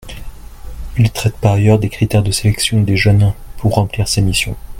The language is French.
Il traite par ailleurs des critères de sélection des jeunes pour remplir ces missions.